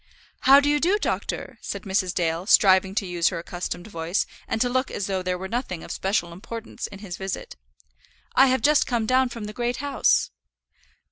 "How do you do, doctor?" said Mrs. Dale, striving to use her accustomed voice, and to look as though there were nothing of special importance in his visit. "I have just come down from the Great House."